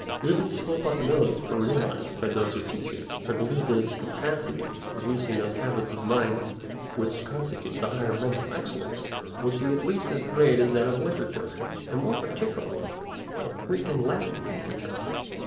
If its full possibilities were realised by those who teach it, I believe that its capacity of producing those habits of mind which constitute the highest mental excellence would be at least as great as that of literature, and more particularly of Greek and Latin literature.